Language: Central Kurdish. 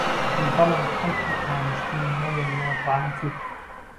بەڵام خەڵکی قامیشلی ناویان نابووم حاجی